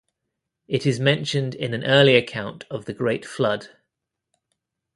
It is mentioned in an early account of the Great Flood.